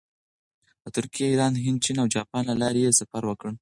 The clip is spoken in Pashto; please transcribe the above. د ترکیې، ایران، هند، چین او جاپان له لارې یې سفر وکړ.